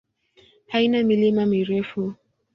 Haina milima mirefu.